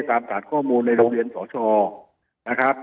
ตามสารข้อมูลในโรงเรียนสชนะครับ